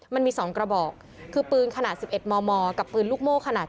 มันมี๒กระบอกคือปืนขนาด๑๑มมกับปืนลูกโม่ขนาด